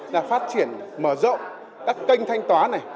đã phát triển mở rộng các kênh thanh toán này